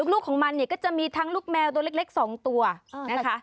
ลูกของมันเนี่ยก็จะมีทั้งลูกแมวตัวเล็ก๒ตัวนะคะ